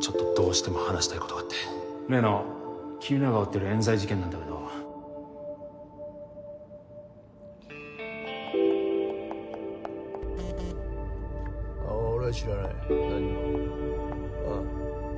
ちょっとどうしても話したいことがあ例の君らが追ってるえん罪事件なんだけどあぁ俺は知らない何にもうん。